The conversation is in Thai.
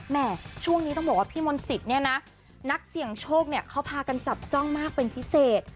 แม่ช่วงนี้ต้องบอกว่าพี่มนต์สิทธิ์เนี่ยนะนักเสี่ยงโชคเนี่ยเขาพากันจับจ้องมากเป็นพิเศษ